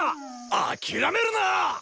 諦めるな！